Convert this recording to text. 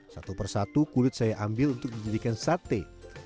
satu persatu kulit saya ambil untuk dijadikan sate